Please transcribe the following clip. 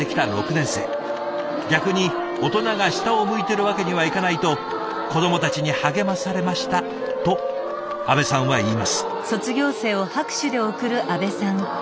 逆に大人が下を向いてるわけにはいかないと子どもたちに励まされましたと安部さんは言います。